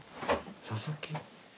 佐々木。